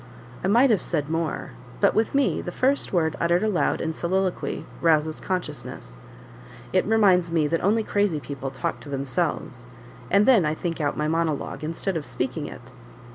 I might have said more but with me, the first word uttered aloud in soliloquy rouses consciousness; it reminds me that only crazy people talk to themselves, and then I think out my monologue, instead of speaking it.